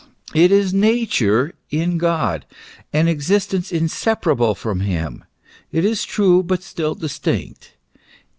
It is Nature in God ; an existence inseparable from him, it is true, but still distinct.